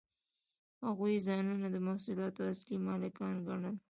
هغوی ځانونه د محصولاتو اصلي مالکان ګڼل